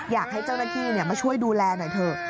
อยากให้เจ้าหน้าที่มาช่วยดูแลหน่อยเถอะ